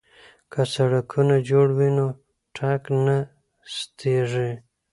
که سړکونه جوړ وي نو تګ نه ستیږي.